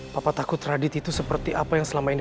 papa takut radit itu seperti apa yang selama ini